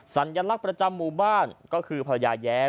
สัญลักษณ์ประจำหมู่บ้านก็คือพญาแย้ม